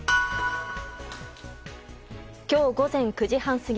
今日午前９時半過ぎ